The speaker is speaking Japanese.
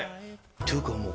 っていうかもう。